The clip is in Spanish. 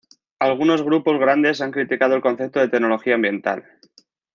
Algunos grupos grandes han criticado el concepto de tecnología ambiental.